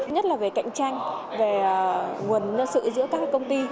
nhất là về cạnh tranh về nguồn nhân sự giữa các công ty